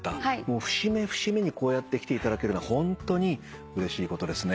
節目節目にこうやって来ていただけるのはホントにうれしいことですね。